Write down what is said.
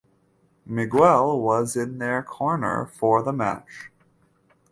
Miguel was in their corner for the match.